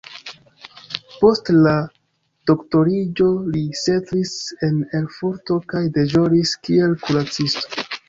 Post la doktoriĝo li setlis en Erfurto kaj deĵoris kiel kuracisto.